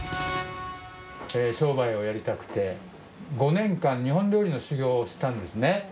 商売をやりたくて、５年間、日本料理の修業をしたんですね。